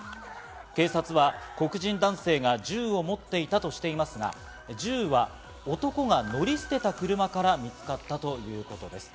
警察は黒人男性が銃を持っていたとしていますが、銃は男が乗り捨てた車から見つかったということです。